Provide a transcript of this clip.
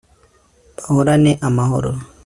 bahorane amahoro